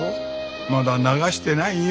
まだ流してないよ。